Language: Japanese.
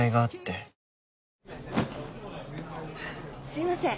すいません。